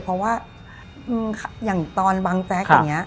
เพราะว่าอย่างตอนบังแจ๊กอย่างนี้